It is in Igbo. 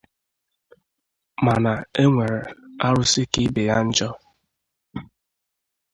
mana e nwere arụsị ka ibè ya njọ